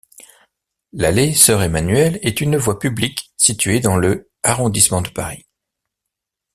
L'allée Soeur-Emmanuelle est une voie publique située dans le arrondissement de Paris.